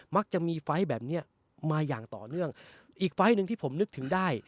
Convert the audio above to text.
มักจะมีไฟล์แบบเนี้ยมาอย่างต่อเนื่องอีกไฟล์หนึ่งที่ผมนึกถึงได้